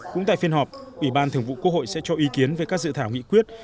cũng tại phiên họp ủy ban thường vụ quốc hội sẽ cho ý kiến về các dự thảo nghị quyết